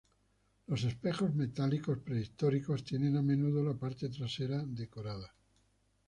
Los espejos metálicos prehistóricos tienen a menudo la parte trasera decorada.